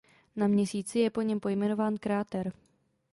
Na Měsíci je po něm pojmenován kráter.